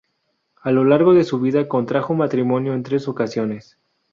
A lo largo de su vida contrajo matrimonio en tres ocasiones.